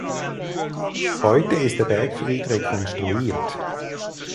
Heute ist der Bergfried rekonstruiert.